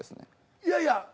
いやいや。